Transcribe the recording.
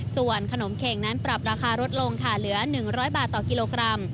ส่วนขนมเครงนั้นปรับราคารถลงค่ะเหลือหนึ่งร้อยบาทต่อกิโลกรัม